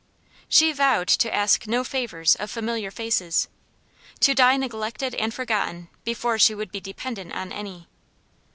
She vowed to ask no favors of familiar faces; to die neglected and forgotten before she would be dependent on any.